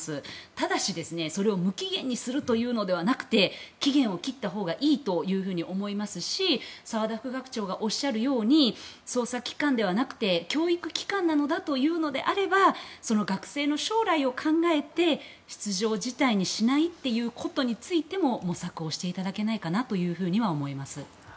ただしそれを無期限にするのではなくて期限を切ったほうがいいと思いますし澤田副学長がおっしゃるように捜査機関ではなくて教育機関なのだというのであれば学生の将来を考えて出場辞退にしないということについても模索をしていただけないかなとは思います。